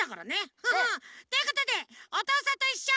ハハッ！ということで「おとうさんといっしょ」。